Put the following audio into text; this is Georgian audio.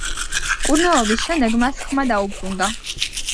მკურნალობის შემდეგ მას ხმა დაუბრუნდა.